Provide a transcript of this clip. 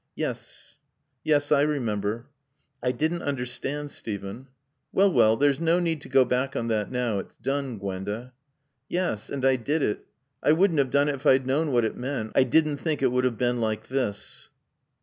"Yes, yes. I remember." "I didn't understand, Steven." "Well, well. There's no need to go back on that now. It's done, Gwenda." "Yes. And I did it. I wouldn't have done it if I'd known what it meant. I didn't think it would have been like this."